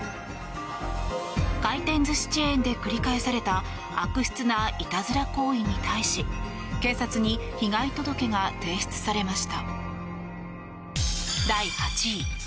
回転寿司チェーンで繰り返された悪質ないたずら行為に対し警察に被害届が提出されました。